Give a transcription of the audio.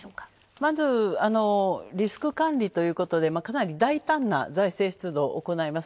まず、リスク管理ということでかなり大胆な財政出動を行います。